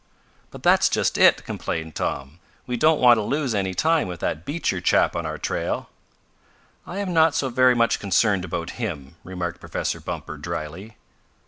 "But that's just it!" complained Tom. "We don't want to lose any time with that Beecher chap on our trail." "I am not so very much concerned about him," remarked Professor Bumper, dryly.